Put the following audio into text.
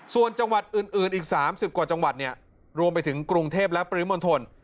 ส่วนจังหวัดอื่นอีก๓๐กว่าจังหวัดเนี่ยรวมไปถึงกรุงเทพและปริมณฑล